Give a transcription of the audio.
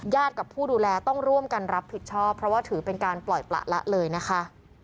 กับผู้ดูแลต้องร่วมกันรับผิดชอบเพราะว่าถือเป็นการปล่อยประละเลยนะคะ